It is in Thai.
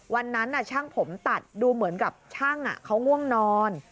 วันนั้นช่างผมตัดดูเหมือนกับช่างเขาง่วงนอน